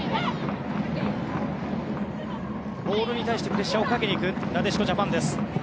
ボールに対してプレッシャーをかけに行くなでしこジャパンです。